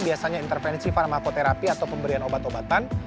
biasanya intervensi farmakoterapi atau pemberian obat obatan